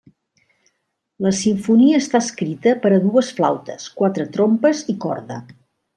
La simfonia està escrita per a dues flautes, quatre trompes i corda.